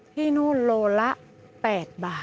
ที่นู่นโลละ๘บาท